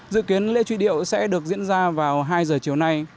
dự kiến lễ truy điệu sẽ được diễn ra vào hai giờ chiều nay